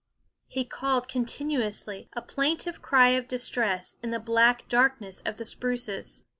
He called continuously, a plaintive cry of distress, in the black darkness of the spruces.